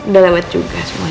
udah lewat juga semuanya